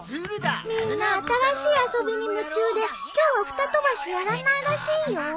みんな新しい遊びに夢中で今日はふた飛ばしやらないらしいよ。